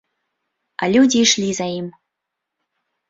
А людзі ішлі за ім.